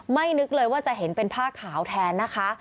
นึกเลยว่าจะเห็นเป็นผ้าขาวแทนนะคะ